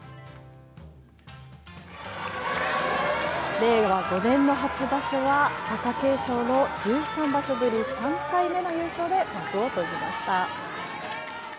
令和５年の初場所は、貴景勝の１３場所ぶり３回目の優勝で幕を閉じました。